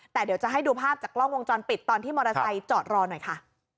แต่เดี๋ยวจะให้ดูภาพจากกล้องวงจรปิดตอนที่มอเตอร์ไซค์จอดรอหน่อยค่ะ